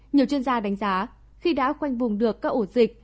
nhiều chuyên gia đánh giá khi đã khoanh vùng được các ổ dịch